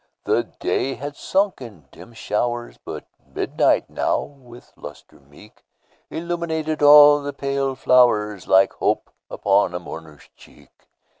The day had sunk in dim showers, But midnight now, with lustre meek, Illumined all the pale flowers, Like hope upon a mourner's cheek.